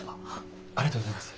ありがとうございます。